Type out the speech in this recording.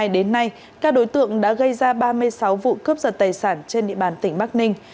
đến nay các đối tượng đã gây ra ba mươi sáu vụ cướp giật tài sản trên địa bàn tỉnh bắc ninh